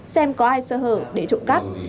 xem có ai sợ hở để trộm cắp